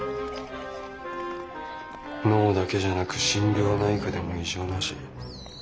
脳だけじゃなく心療内科でも異常なし。